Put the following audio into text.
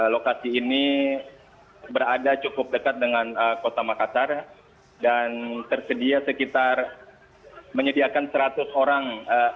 lokasi ini berada cukup dekat dengan kota makassar dan tersedia sekitar menyediakan seratus orang